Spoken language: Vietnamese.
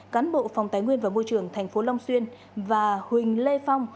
cán bộ phòng tài nguyên và môi trường tp long xuyên và huỳnh lê phong